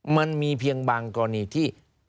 มันมีเพียงบางกรณีที่